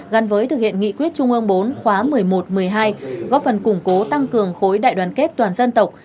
gắn với thực hiện nghị quyết trung ương bốn khóa một mươi một một mươi hai góp phần củng cố tăng cường khối đại đoàn kết toàn dân tộc